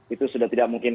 itu sudah tidak mungkin